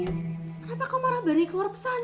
kenapa kamu marah barang keluar pesan